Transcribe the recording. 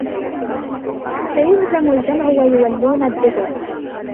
سيهزم الجمع ويولون الدبر